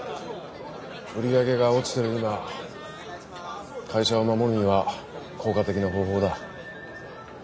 売り上げが落ちてる今会社を守るには効果的な方法だ。